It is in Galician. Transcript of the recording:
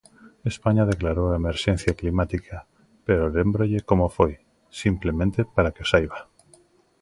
España declarou a emerxencia climática, pero lémbrolle como foi, simplemente para que o saiba.